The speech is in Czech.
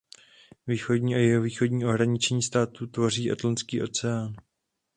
Východní a jihovýchodní ohraničení státu tvoří Atlantský oceán.